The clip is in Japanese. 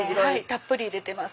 たっぷり入れてます。